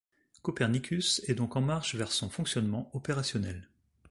Copernicus est donc en marche vers son fonctionnement opérationnel.